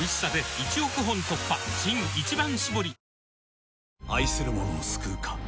新「一番搾り」